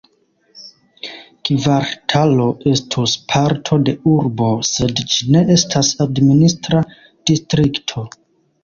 Kvartalo estus parto de urbo, sed ĝi ne estas administra distrikto.